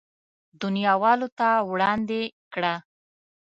دنياوالو ته وړاندې کړه.